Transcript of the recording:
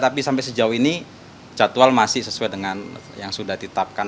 tapi sampai sejauh ini jadwal masih sesuai dengan yang sudah ditetapkan